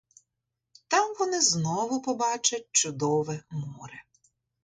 Там вони знову побачать чудове море.